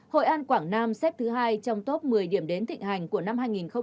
hội an quảng nam xếp thứ hai trong top một mươi điểm đến thịnh hành của năm hai nghìn hai mươi